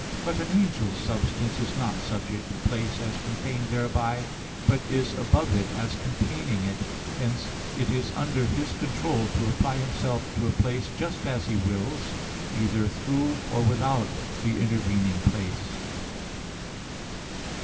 But an angel's substance is not subject to place as contained thereby, but is above it as containing it: hence it is under his control to apply himself to a place just as he wills, either through or without the intervening place.